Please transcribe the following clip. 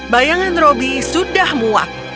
bayangan robby sudah muak